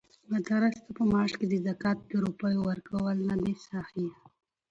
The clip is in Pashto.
مدرس ته په معاش کې د زکات د روپيو ورکول ندی صحيح؛